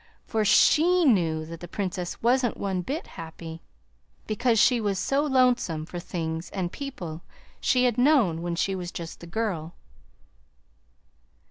For SHE knew that the Princess wasn't one bit happy, because she was so lonesome for things and people she had known when she was just the girl."